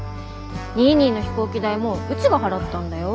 ニーニーの飛行機代もうちが払ったんだよ。